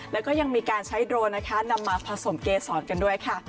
แล้วก็ยังมีการใช้โดรนนะคะนำมาผสมเกษรกันด้วยค่ะ